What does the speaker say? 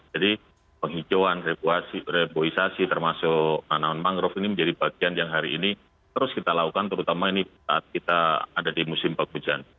jadi penghijauan reboisasi termasuk tanaman mangrove ini menjadi bagian yang hari ini terus kita lakukan terutama ini saat kita ada di musim pagu hujan